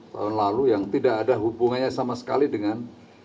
tahun lalu yang tidak ada hubungannya sama sekali dengan